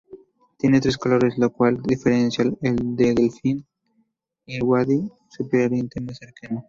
Tiene tres colores, lo cual lo diferencia de delfín Irrawaddy, su pariente más cercano.